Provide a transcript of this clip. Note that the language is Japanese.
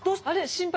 心配。